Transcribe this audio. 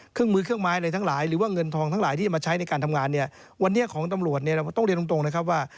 เครื่องมือเครื่องไม้อะไรทั้งหลายหรือว่าเงินทองทั้งหลายที่จะมาใช้ในการทำงานเนี่ยวันนี้ของตำรวจเนี่ยเราต้องเรียนตรงตรงนะครับว่า